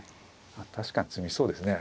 あっ確かに詰みそうですね